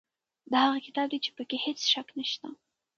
دا هغه کتاب دی چې په کې هیڅ شک نشته.